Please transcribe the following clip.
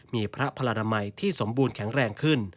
มีพระพลานามัยที่สมบูรณ์แข็งแรงขึ้น